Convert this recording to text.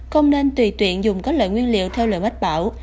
không nên tùy tuyện dùng các loại nguyên liệu theo lời bách bảo